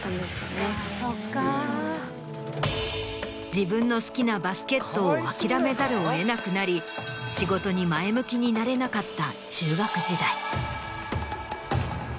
自分の好きなバスケットを諦めざるを得なくなり仕事に前向きになれなかった。